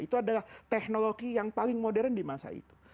itu adalah teknologi yang paling modern di masa itu